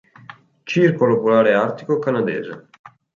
Circolo Polare Artico Canadese.